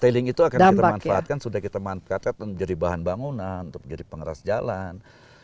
tailing itu akan kita manfaatkan sudah kita manfaatkan menjadi bahan bangunan untuk menjadi pengeras jalan